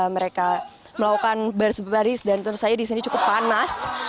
mereka melakukan baris baris dan tentu saja di sini cukup panas